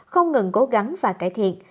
không ngừng cố gắng và cải thiện